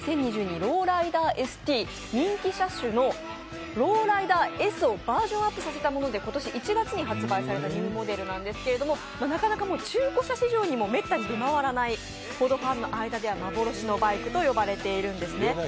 ローライダーＳＴ人気車種のローライダーＳをバージョンアップさせたもので今年１月に発売されたニューモデルなんですけど、なかなか中古車市場にもめったに出回らないほど、ファンの間で幻のバイクと呼ばれているんですね。